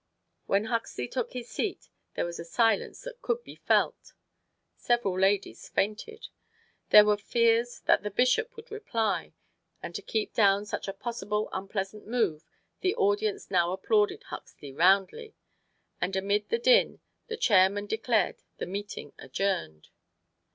When Huxley took his seat, there was a silence that could be felt. Several ladies fainted. There were fears that the Bishop would reply, and to keep down such a possible unpleasant move the audience now applauded Huxley roundly, and amid the din the chairman declared the meeting adjourned.